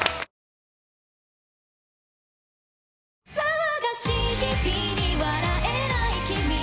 「騒がしい日々に笑えない君に」